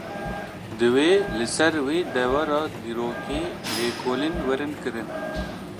Divê li ser vê devera dîrokî, lêkolîn werin kirin